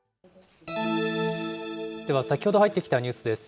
では先ほど入ってきたニュースです。